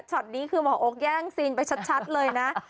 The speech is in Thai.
นี้คือหมอโอ๊คแย่งซีนไปชัดเลยนะ